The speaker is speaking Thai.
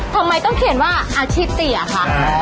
ทำไมต้องเขียนว่าอาชิตเขียว